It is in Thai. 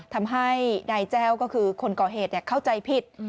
ทำให้นายแจ้วก็คือคนก่อเหตุเข้าใจผิด